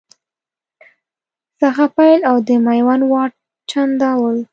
څخه پیل او د میوند واټ، چنداول